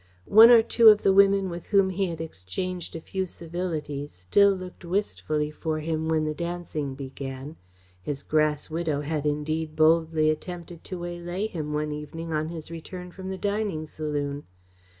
One or two of the women with whom he had exchanged a few civilities still looked wistfully for him when the dancing began his grass widow had indeed boldly attempted to waylay him one evening on his return from the dining saloon.